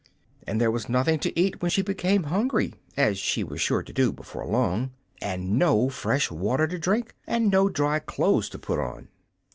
And there was nothing to eat when she became hungry as she was sure to do before long and no fresh water to drink and no dry clothes to put on.